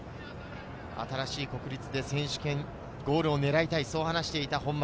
新しい国立で選手権、ゴールを狙いたい、そう話していた本間。